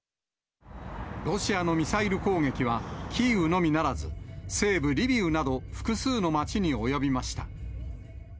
ロシアのミサイル攻撃は、キーウのみならず、西部リビウなど複数の街に及びました。